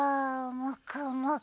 もくもく。